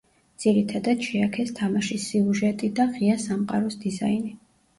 ძირითადად, შეაქეს თამაშის სიუჟეტი და ღია სამყაროს დიზაინი.